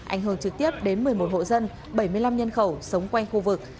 ảnh hưởng trực tiếp đến một mươi một hộ dân bảy mươi năm nhân khẩu sống quanh khu vực